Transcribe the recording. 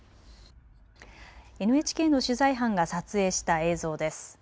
ＮＨＫの取材班が撮影した映像です。